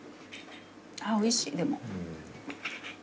あぁおいしいでも。